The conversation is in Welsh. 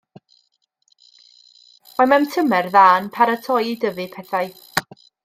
Mae mewn tymer dda yn paratoi i dyfu pethau.